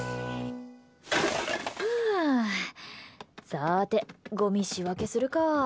さーて、ごみ仕分けするか。